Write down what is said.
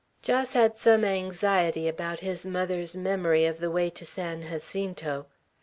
Jos had some anxiety about his mother's memory of the way to San Jacinto.